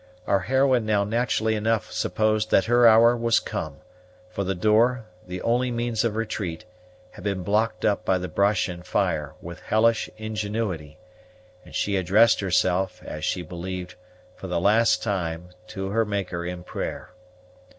Our heroine now naturally enough supposed that her hour was come; for the door, the only means of retreat, had been blocked up by the brush and fire, with hellish ingenuity, and she addressed herself, as she believed, for the last time to her Maker in prayer.